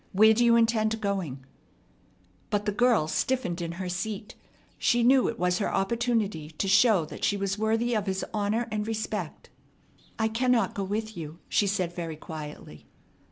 Where do you intend going?" But the girl stiffened in her seat. She knew it was her opportunity to show that she was worthy of his honor and respect. "I cannot go with you," she said very quietly.